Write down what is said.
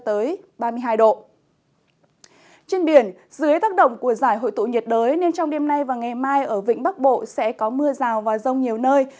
trên biển dưới tác động của giải hội tụ nhiệt đới nên trong đêm nay và ngày mai ở vĩnh bắc bộ sẽ có mưa rào và rông nhiều nơi